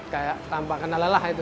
kayak tanpa kena lelah itu